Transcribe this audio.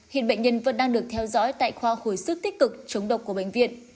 hiện bệnh nhân vẫn đang được theo dõi tại khoa hồi sức tích cực chống độc của bệnh viện